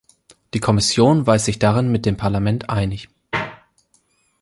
Die Kommission weiß sich darin mit dem Parlament einig.